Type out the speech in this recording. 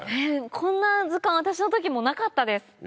こんな図鑑私の時もなかったです。